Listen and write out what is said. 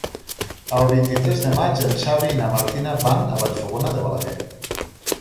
El vint-i-tres de maig en Xavi i na Martina van a Vallfogona de Balaguer.